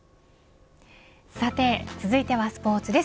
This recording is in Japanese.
さて、続いてはスポーツです。